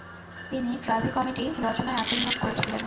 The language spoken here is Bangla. তিনি ট্র্যাজিকমেডি রচনায় আত্মনিয়োগ করেছিলেন।